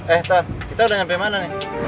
eh pak kita udah nyampe mana nih